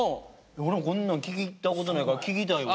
俺もこんなの聞いたことないから聞きたいわ。